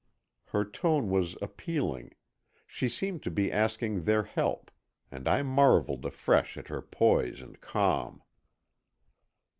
Her tone was appealing, she seemed to be asking their help, and I marvelled afresh at her poise and calm.